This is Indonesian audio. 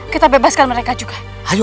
kita bebaskan mereka juga ayo